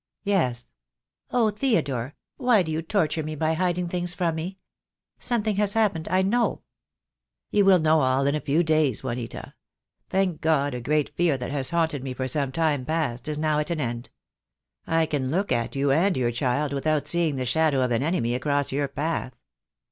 "Yes." "Oh, Theodore, why do you torture me by hiding things from me? Something has happened, I know." "You will know all in a few days, Juanita. Thank God, a great fear that has haunted me for some time past is now at an end. I can look at you and your child without seeing the shadow of an enemy across your path."